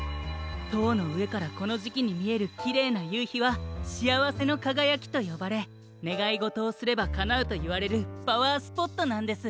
とうのうえからこのじきにみえるキレイなゆうひは「しあわせのかがやき」とよばれねがいごとをすればかなうといわれるパワースポットなんです。